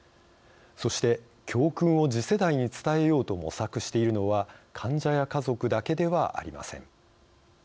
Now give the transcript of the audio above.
そして教訓を次世代に伝えようと模索しているのは患者や家族だけではありません。